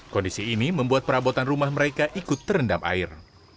kondisi ini membuat perabotan rumah mereka ikut terendam air